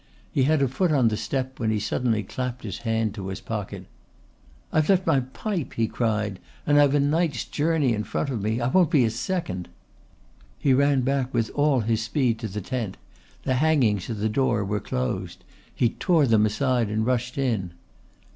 He had a foot on the step when he suddenly clapped his hand to his pocket. "I've left my pipe," he cried, "and I've a night's journey in front of me. I won't be a second." He ran back with all his speed to the tent. The hangings at the door were closed. He tore them aside and rushed in.